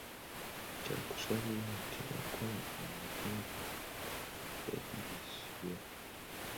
Kyakusaalirwa nti enkola eno kumpi yadibizibwa.